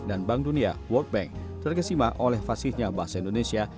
bank dunia world bank tergesima oleh fasihnya bahasa indonesia